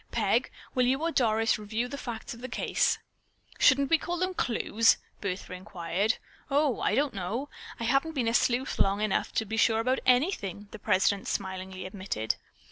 Peg, will you or Doris review the facts in the case?" "Shouldn't we call them clues?" Bertha inquired. "O, I don't know. I haven't been a sleuth long enough to be sure about anything," the president smilingly admitted.